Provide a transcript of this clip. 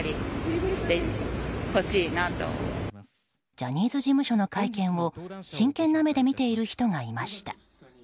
ジャニーズ事務所の会見を真剣な目で見ている人がいました。